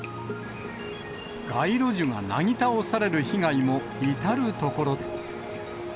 街路樹がなぎ倒される被害も至る所で。